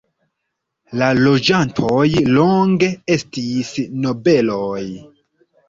La loĝantoj longe estis nobeloj.